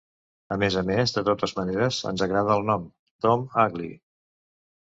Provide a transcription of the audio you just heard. A més a més, de totes maneres ens agrada el nom, Tom Ugly.